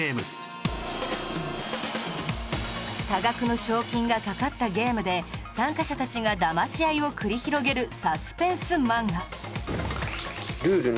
多額の賞金が懸かったゲームで参加者たちがだまし合いを繰り広げるサスペンス漫画